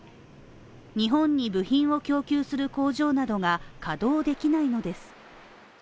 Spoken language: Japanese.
日本に部品を供給する工場などが稼働できないのです